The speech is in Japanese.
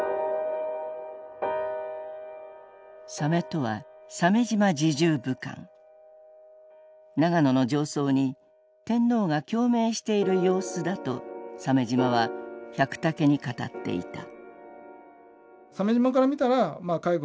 「鮫」とは永野の上奏に天皇が「共鳴」している様子だと鮫島は百武に語っていた。